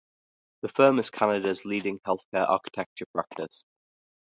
The firm is Canada's leading healthcare architecture practice.